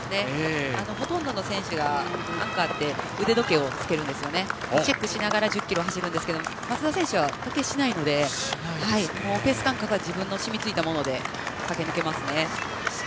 ほとんどの選手がアンカーって腕時計をつけてチェックしながら１０ｋｍを走るんですけども松田選手は時計をしないのでペース感覚は自分の染みついたもので駆け抜けますね。